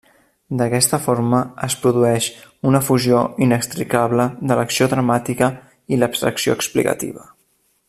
D'aquesta forma, es produeix una fusió inextricable de l'acció dramàtica i l'abstracció explicativa.